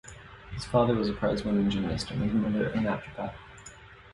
His father was a prize-winning gymnast and his mother a naturopath.